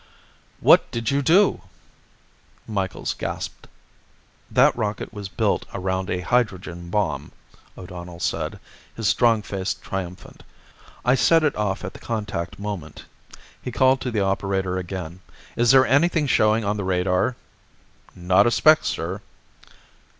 "What did you do?" Micheals gasped. "That rocket was built around a hydrogen bomb," O'Donnell said, his strong face triumphant. "I set it off at the contact moment." He called to the operator again. "Is there anything showing on the radar?" "Not a speck, sir."